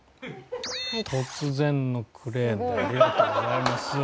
突然のクレーンでありがとうございます。